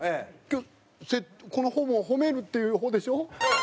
今日この「ホ」も「ホメる」っていう「ホ」でしょ？